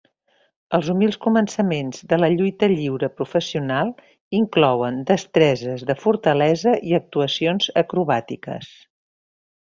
Els humils començaments de la lluita lliure professional inclouen destreses de fortalesa i actuacions acrobàtiques.